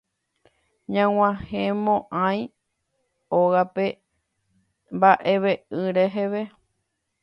Nag̃uahẽmo'ãi ógape mba'eve'ỹ reheve.